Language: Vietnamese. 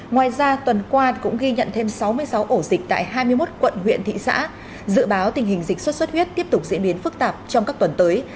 ngoài ra tuần qua cũng ghi nhận thêm sáu mươi sáu ổ dịch tại hai mươi một quận huyện thị xã dự báo tình hình dịch sốt xuất huyết tiếp tục diễn biến phức tạp trong các tuần tới